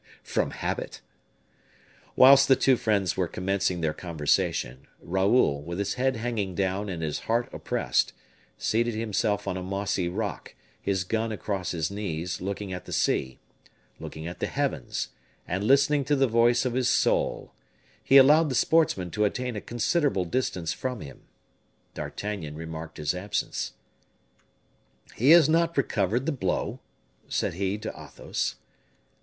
"From habit." Whilst the two friends were commencing their conversation, Raoul, with his head hanging down and his heart oppressed, seated himself on a mossy rock, his gun across his knees, looking at the sea looking at the heavens, and listening to the voice of his soul; he allowed the sportsmen to attain a considerable distance from him. D'Artagnan remarked his absence. "He has not recovered the blow?" said he to Athos.